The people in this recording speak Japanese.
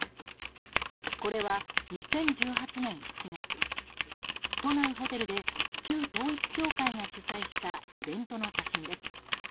これは２０１８年７月都内ホテルで旧統一教会が主催したイベントの写真です。